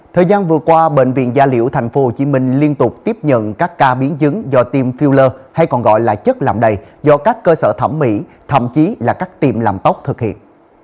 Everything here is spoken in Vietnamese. thời gian vừa qua bệnh viện gia liễu tp hcm liên tục tiếp nhận các ca biến chứng do tiêm filler hay còn gọi là chất làm đầy do các cơ sở thẩm mỹ thậm chí là các tiệm làm tóc thực hiện